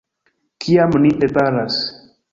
- Kiam mi preparas